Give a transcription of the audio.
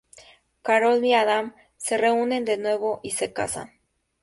Carol y Adam se reúnen de nuevo y se casan.